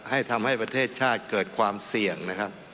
ทำให้ประเทศชาติเกิดความเสี่ยงนะครับ